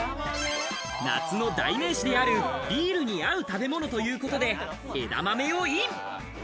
夏の代名詞であるビールに合う食べ物ということで、枝豆をイン。